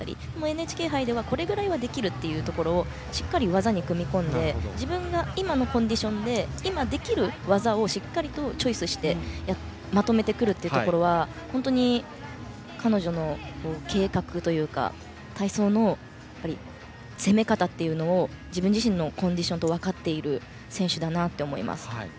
ＮＨＫ杯では、これぐらいはできるというところをしっかり技に組み込んで自分が今のコンディションで今できる技をしっかりとチョイスしてまとめてくるというところは本当に彼女の計画というか体操の攻め方というのを自分自身のコンディションを分かっている選手だと思います。